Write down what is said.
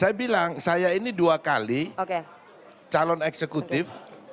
saya bilang saya ini dua kali calon eksekutif